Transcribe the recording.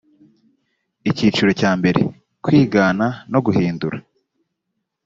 icyiciro cya mbere kwigana no guhindura